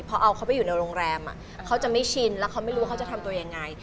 พอเอาเขาไปอยู่ในโรงแรมเขาจะไม่ชินแล้วเขาไม่รู้ว่าเขาจะทำตัวยังไง